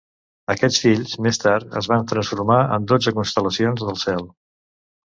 Aquests fills, més tard, es van transformar en dotze constel·lacions del cel.